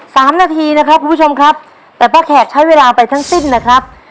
สามนาทีนะครับคุณผู้ชมครับแต่ป้าแขกใช้เวลาไปทั้งสิ้นนะครับ